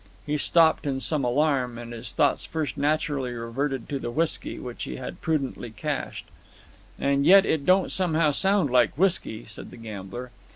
He stopped in some alarm, and his thoughts first naturally reverted to the whisky, which he had prudently cached. "And yet it don't somehow sound like whisky," said the gambler.